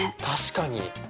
確かに。